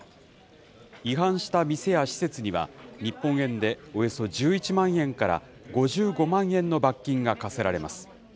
違反した店や施設には、日本円でおよそ１１万円から５５万円の罰金が科せられます。